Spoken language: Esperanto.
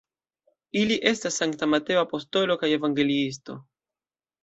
Ili estas Sankta Mateo apostolo kaj evangeliisto.